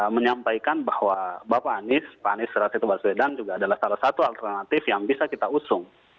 menyampaikan bahwa bapak anis pak anis rasidu baswedan juga adalah salah satu alternatif yang bisa kita usung